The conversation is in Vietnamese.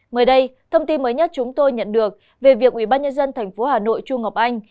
mới đây thông tin mới nhất chúng tôi nhận được về việc ubnd tp hà nội chu ngọc anh